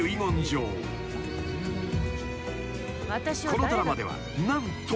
［このドラマでは何と］